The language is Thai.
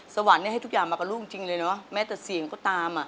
สวรรค์ให้ทุกอย่างมากับลูกจริงเลยเนอะแม้แต่เสียงก็ตามอ่ะ